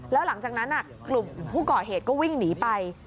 แล้วหลังจากนั้นกลุ่มผู้ก่อเหตุก็วิ่งหนีไป